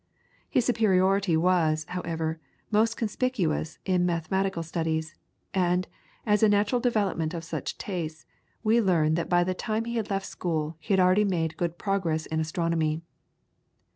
His superiority was, however, most conspicuous in mathematical studies, and, as a natural development of such tastes, we learn that by the time he had left school he had already made good progress in astronomy.